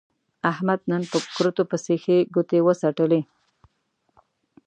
احمد نن په کورتو پسې ښې ګوتې و څټلې.